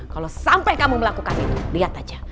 kalau sampai kamu melakukan itu lihat aja